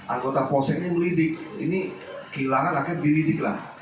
anggota posen yang melidik ini kehilangan akhirnya dilidik lah